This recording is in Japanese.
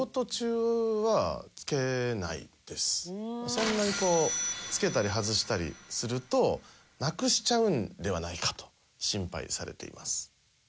そんなにこうつけたり外したりするとなくしちゃうんではないかと心配されています。